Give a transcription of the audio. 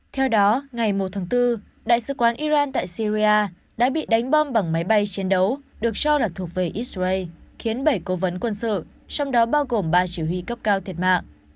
theo đó ngày một tháng bốn đại sứ quán iran tại syria đã bị đánh bom bằng máy bay chiến đấu được cho là thuộc về israel khiến bảy cố vấn quân sự trong đó bao gồm ba chỉ huy cấp cao thiệt mạng